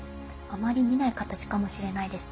あまり見ない形かもしれないです。